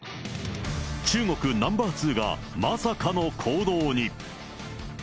中国ナンバー２が、まさかの行動に。